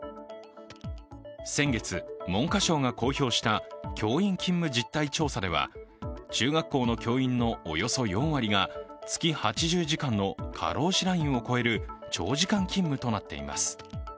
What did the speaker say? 先月、文科省が公表した教員勤務実態調査では中学校の教員のおよそ４割が月８０時間の過労死ラインを超える長時間勤務となっています。